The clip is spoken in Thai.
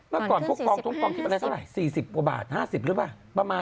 แล้วก่อนทุกครองคิดว่าอะไรเท่าไหร่๔๐บาท๕๐บาทหรือเปล่า